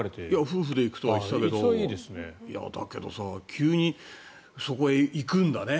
夫婦で行くとは言ってたけどだけど、急にそこへ行くんだね。